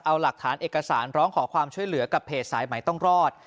เอาหลักฐานเอกสารร้องขอความช่วยเหลือกับเพจสายใหม่ต้องรอด